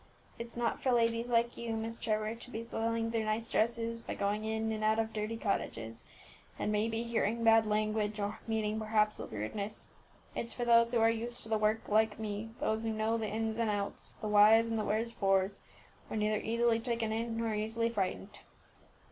It's not for ladies like you, Miss Trevor, to be soiling their nice dresses by going in and out of dirty cottages, and may be hearing bad language, or meeting, perhaps, with rudeness. It's for those who are used to the work, like me; those who know the ins and the outs, the whys and the wherefores; who are neither easily taken in, nor easily frightened.